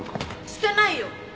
捨てないよ！